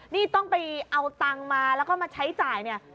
นี่ต้องไปเอาตังค์มาแล้วก็มาใช้จ่ายเนี่ย